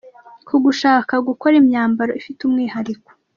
ku gushaka gukora imyambaro ifite umwahariko.